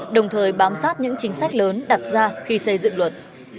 đồng thời bám sát những chính sách lớn đặt ra khi xây dựng luật